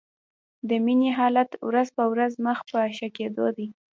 د مينې حالت ورځ په ورځ مخ په ښه کېدو و